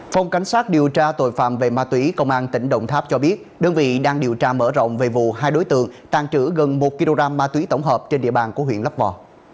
phòng cảnh sát điều tra tội phạm về ma túy công an tỉnh đồng tháp cho biết đơn vị đang điều tra mở rộng về vụ hai đối tượng tàn trữ gần một kg ma túy tổng hợp trên địa bàn của huyện lấp vò